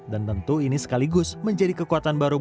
dan tentu ini sekaligus menjadi kekuatan baru